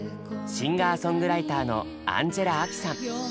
シンガーソングライターのアンジェラ・アキさん。